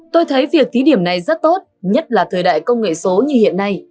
tôi thấy việc thí điểm này rất tốt nhất là thời đại công nghệ số như hiện nay